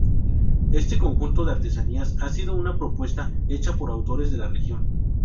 Este conjunto de artesanías ha sido una propuesta hecha por autores de la región.